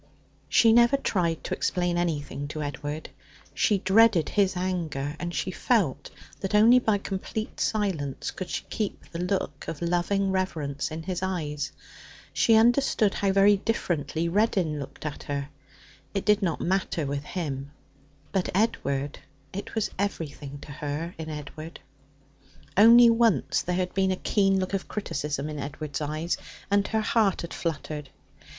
She never tried to explain anything to Edward. She dreaded his anger, and she felt that only by complete silence could she keep the look of loving reverence in his eyes. She understood how very differently Reddin looked at her. It did not matter with him, but Edward it was everything to her in Edward. Only once there had been a keen look of criticism in Edward's eyes, and her heart had fluttered.